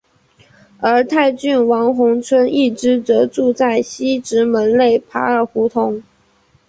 而泰郡王弘春一支则住在西直门内扒儿胡同。